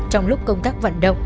trong lúc công tác vận động